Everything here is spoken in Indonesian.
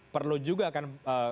perlu juga kan